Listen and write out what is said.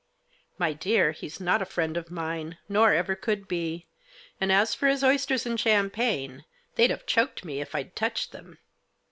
" My dear, he's not a friend of mine, nor ever could be; and as for his oysters and champagne, they'd have choked me if I'd touched them."